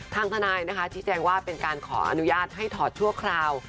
ทางทนายนะคะชี้แจงว่าเป็นการขออนุญาตให้ถอดชั่วคราว